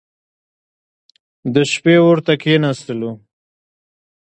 د شپې اور ته کښېنستلو.